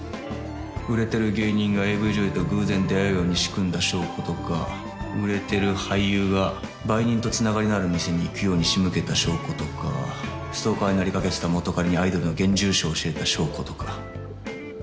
売れてる芸人がＡＶ女優と偶然出会うように仕組んだ証拠とか売れてる俳優が売人と繋がりのある店に行くように仕向けた証拠とかストーカーになりかけていた元彼にアイドルの現住所を教えた証拠とか。